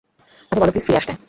তাকে বলো প্লিজ ফিরে আসতে।